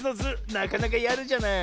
なかなかやるじゃない。